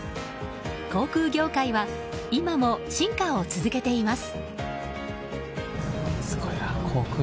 航空業界は今も進化を続けています。